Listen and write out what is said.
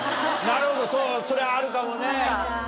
なるほどそれはあるかもね。